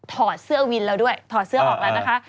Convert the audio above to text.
ถอดเสื้อวินเราด้วยถอดเสื้อออกแล้วนะคะ